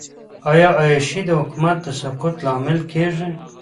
آیا عیاشي د حکومت د سقوط لامل کیږي؟